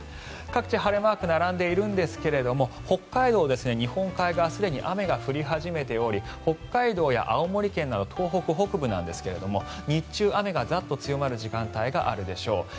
各地、晴れマークが並んでいるんですが北海道、日本海側はすでに雨が降り始めており北海道や青森県など東北北部なんですけど日中、雨がザっと強まる時間帯があるでしょう。